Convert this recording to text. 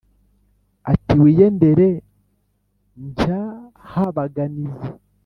ati " wiyendere ncyahabaganizi